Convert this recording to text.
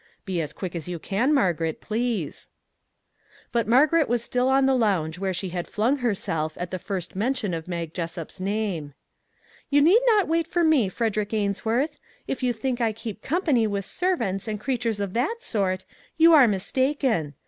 Be as quick as you can, Margaret, please." But Margaret was still on the lounge where 3 6 4 "EXCELLENT' she had flung herself at the first mention of Mag Jessup's name. " You need not wait for me, Frederick Ains worth ; if you think I keep company with serv ants and creatures of that sort, you are mis taken.